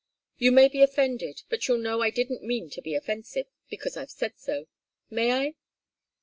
You may be offended, but you'll know I didn't mean to be offensive, because I've said so. May I?"